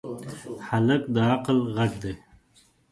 هلک د عقل غږ دی.